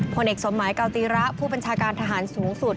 ผลเอกสมหมายกาวตีระผู้บัญชาการทหารสูงสุด